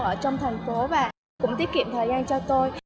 ở trong thành phố và cũng tiết kiệm thời gian cho tôi